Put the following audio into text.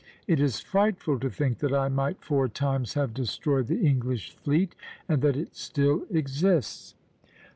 It is frightful to think that I might four times have destroyed the English fleet, and that it still exists."